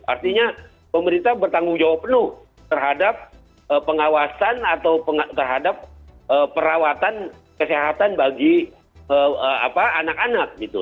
artinya pemerintah bertanggung jawab penuh terhadap pengawasan atau terhadap perawatan kesehatan bagi anak anak gitu